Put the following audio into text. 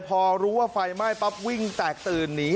พอรู้ว่าไฟไหม้ปั๊บวิ่งแตกตื่นหนี